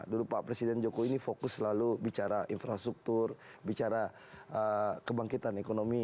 dulu pak presiden jokowi ini fokus selalu bicara infrastruktur bicara kebangkitan ekonomi